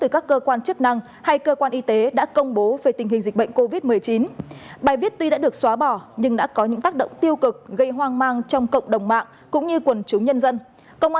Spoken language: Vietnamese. các quy định khuyến cáo về phòng chống dịch covid một mươi chín thường xuyên kiểm tra